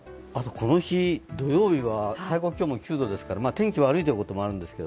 土曜日は最高気温も９度ですから天気が悪いということもあるのですが。